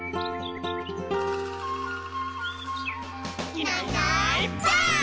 「いないいないばあっ！」